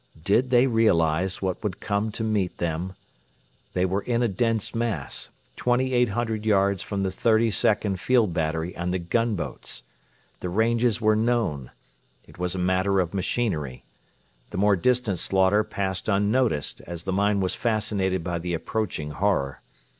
Did they realise what would come to meet them? They were in a dense mass, 2,800 yards from the 32nd Field Battery and the gunboats. The ranges were known. It was a matter of machinery. The more distant slaughter passed unnoticed, as the mind was fascinated by the approaching horror.